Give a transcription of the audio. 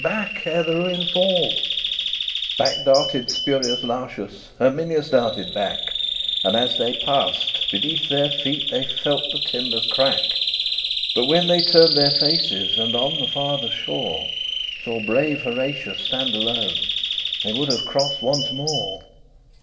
Back, ere the ruin fall!" LIV Back darted Spurius Lartius; Herminius darted back: And, as they passed, beneath their feet They felt the timbers crack. But when they turned their faces, And on the farther shore Saw brave Horatius stand alone, They would have crossed once more.